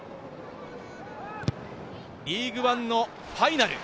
リーグワンのファイナル。